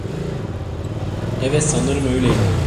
Evet, sanırım öyleydi.